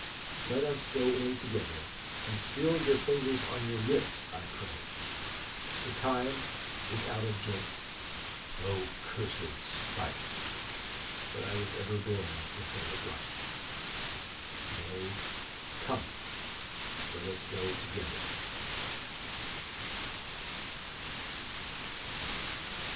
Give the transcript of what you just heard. Let us go in together; and still your fingers on your lips, I pray. The time is out of joint; O cursed spite, that ever I was born to set it right! Nay, come, let us go together."